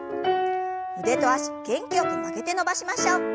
腕と脚元気よく曲げて伸ばしましょう。